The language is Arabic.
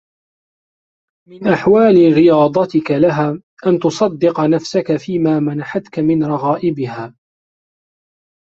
مِنْ أَحْوَالِ رِيَاضَتِك لَهَا أَنْ تُصَدِّقَ نَفْسَك فِيمَا مَنَحَتْك مِنْ رَغَائِبِهَا